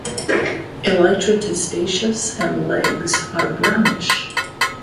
Elytra testaceous and legs are brownish.